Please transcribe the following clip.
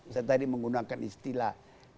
saya tadi menggunakan istilah